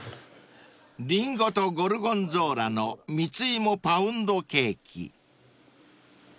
［林檎とゴルゴンゾーラの蜜芋パウンドケーキ］